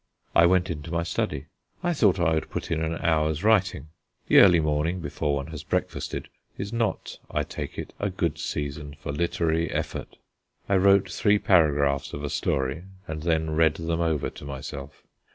I went into my study; I thought I would put in an hour's writing. The early morning, before one has breakfasted, is not, I take it, a good season for literary effort. I wrote three paragraphs of a story, and then read them over to myself.